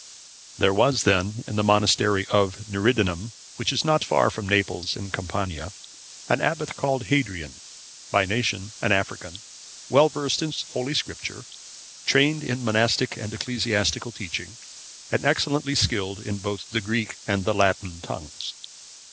There was then in the monastery of Niridanum, which is not far from Naples in Campania, an abbot called Hadrian,(522) by nation an African, well versed in Holy Scripture, trained in monastic and ecclesiastical teaching, and excellently skilled both in the Greek and Latin tongues.